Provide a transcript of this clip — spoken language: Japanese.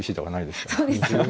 そうですよね。